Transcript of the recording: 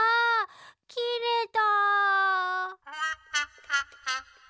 きれた。